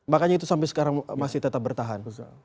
makanya itu sampai sekarang masih tetap bertahan